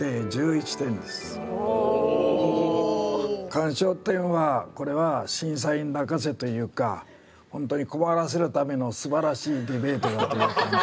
鑑賞点はこれは審査員泣かせというか本当に困らせるためのすばらしいディベートだという感じ。